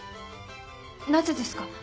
なぜですか？